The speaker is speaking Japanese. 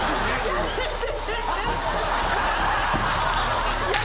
やめて！